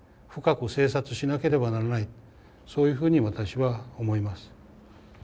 深く省察しなければならないそういうふうに私は思います。